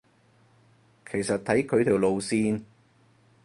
其實睇佢條路線